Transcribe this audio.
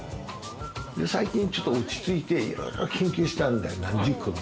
最近ちょっと落ち着いていろいろ研究したんだ。